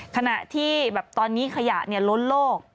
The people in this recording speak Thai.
ขณะที่ตอนนี้ขยะล้นโลก